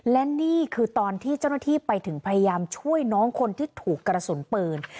และนี่คือตอนที่เจ้าหน้าที่ไปถึงพยายามช่วยน้องคนที่ถูกกระสุนปืน